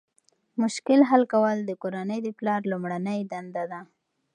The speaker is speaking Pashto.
مشکل حل کول د کورنۍ د پلار لومړنۍ دنده ده.